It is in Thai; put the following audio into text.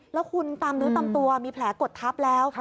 แล้วคุณตามเนื้อตามตัวมีแผลกดทับแล้ว